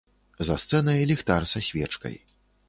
За сцэнай ліхтар са свечкай.